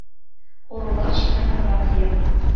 Оролаш каньылырак лийын.